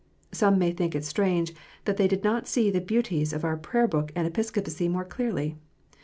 Some may think it strange that they did not see the beauties of our Prayer book and Episcopacy more clearly.